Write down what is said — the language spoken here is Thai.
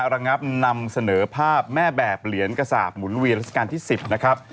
ระงับนำเสนอภาพแม่แบบเหรียญกระสาปหมุนเวียนราชการที่๑๐นะครับ